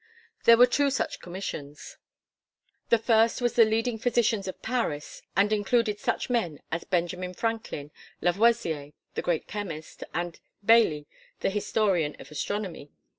There were two such commissions. The first was of the leading physicians of Paris, and included such men as Benjamin Franklin, Lavoisier, the great chemist, and Bailly, the historian of astronomy.